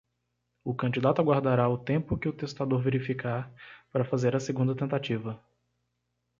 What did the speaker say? O candidato aguardará o tempo que o testador verificar para fazer a segunda tentativa.